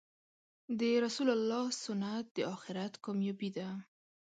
د رسول الله سنت د آخرت کامیابې ده .